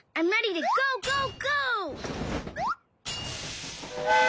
ゴーゴーゴー！